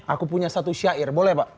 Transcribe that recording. aku punya satu syair boleh pak